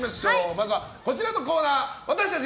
まずはこちらのコーナー私たち